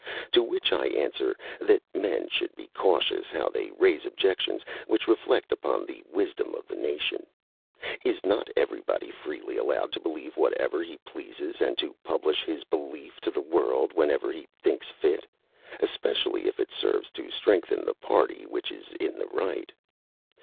To which I answer, that men should be cautious how they raise objections which reflect upon the wisdom of the nation. Is not everybody freely allowed to believe whatever he pleases, and to publish his belief to the world whenever he thinks fit, especially if it serves to strengthen the party which is in the right?